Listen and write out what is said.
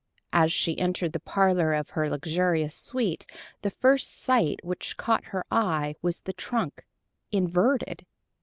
As she entered the parlor of her luxurious suite, the first sight which caught her eye was the trunk, inverted!